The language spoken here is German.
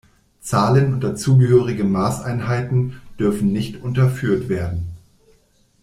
Zahlen und dazugehörige Maßeinheiten dürfen nicht unterführt werden.